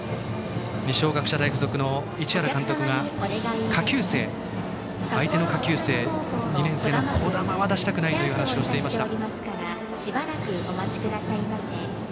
二松学舎大付属の市原監督が相手の下級生２年生の樹神は出したくないという話をしていました。